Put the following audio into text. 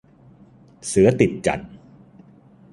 เสือติดจั่น